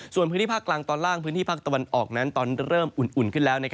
ส่วนพื้นที่ภาคกลางตอนล่างพื้นที่ภาคตะวันออกนั้นตอนเริ่มอุ่นขึ้นแล้ว